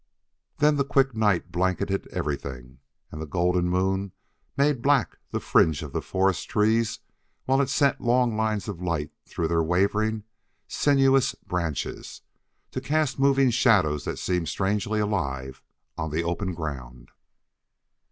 Then the quick night blanketed everything, and the golden moon made black the fringe of forest trees while it sent long lines of light through their waving, sinuous branches, to cast moving shadows that seemed strangely alive on the open ground.